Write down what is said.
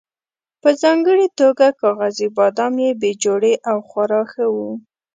په ځانګړې توګه کاغذي بادام یې بې جوړې او خورا ښه وو.